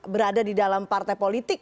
berada di dalam partai politik